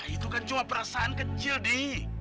itu kan cuma perasaan kecil deh